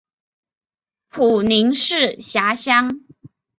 普宁市辖乡。